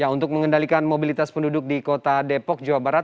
untuk mengendalikan mobilitas penduduk di kota depok jawa barat